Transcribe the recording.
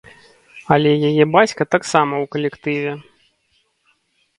Але яе бацька таксама ў калектыве.